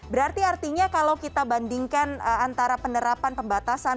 berarti artinya kalau kita bandingkan antara penerapan pembatasan